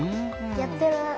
やってる！